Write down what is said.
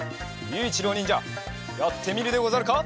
ゆういちろうにんじゃやってみるでござるか？